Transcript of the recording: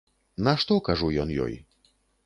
На што, кажу, ён ёй?